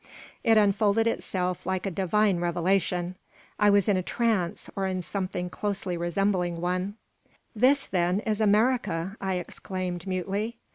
It unfolded itself like a divine revelation. I was in a trance or in something closely resembling one "This, then, is America!" I exclaimed, mutely.